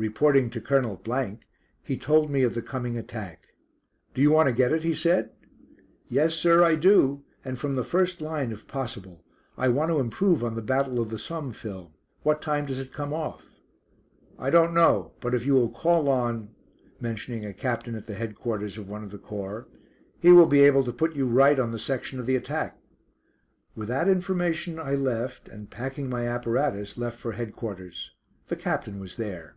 Reporting to Colonel , he told me of the coming attack. "Do you want to get it?" he said. [Illustration: THE FIRST "TANK" THAT WENT INTO ACTION, H.M.L.S. "DAPHNE." SEPT. 15, 1916] "Yes, sir, I do; and from the first line if possible. I want to improve on the Battle of the Somme film. What time does it come off?" "I don't know; but if you will call on mentioning a captain at the Headquarters of one of the corps he will be able to put you right on the section of the attack." With that information I left, and packing my apparatus left for Headquarters. The captain was there.